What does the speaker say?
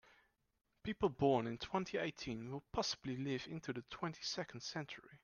People born in twenty-eighteen will possibly live into the twenty-second century.